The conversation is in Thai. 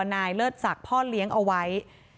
เลิศศักดิ์พ่อเลี้ยงเอาไว้